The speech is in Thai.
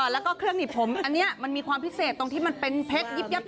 แล้วก็เครื่องหนีบผมอันนี้มันมีความพิเศษตรงที่มันเป็นเพชรยิบ